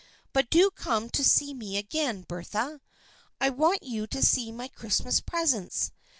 But do come to see me again, Bertha. I want you to see my Christmas presents.